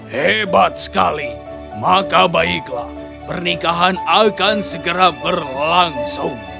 hebat sekali maka baiklah pernikahan akan segera berlangsung